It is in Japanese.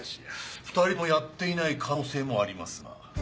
２人とも殺っていない可能性もありますが。